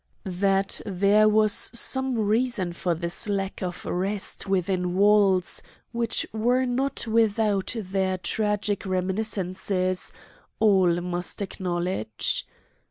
That there was some reason for this lack of rest within walls which were not without their tragic reminiscences, all must acknowledge.